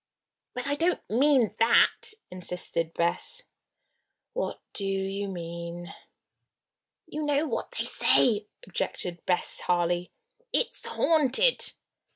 "But I don't mean that," insisted Bess. "What do you mean?" "You know what they say," objected Bess Harley. "It's haunted!"